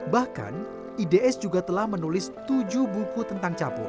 bahkan ids juga telah menulis tujuh buku tentang capur